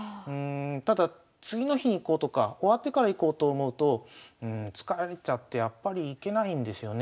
ただ次の日に行こうとか終わってから行こうと思うと疲れちゃってやっぱり行けないんですよね。